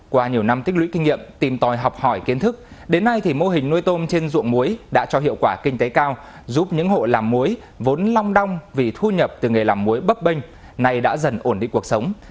qua nhiều năm tích lũy kinh nghiệm tìm tòi học hỏi kiến thức đến nay thì mô hình nuôi tôm trên ruộng muối đã cho hiệu quả kinh tế cao giúp những hộ làm muối vốn long đong vì thu nhập từ nghề làm muối bấp bênh nay đã dần ổn định cuộc sống